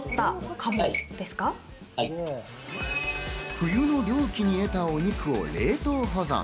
冬の猟期に得たお肉を冷凍保存。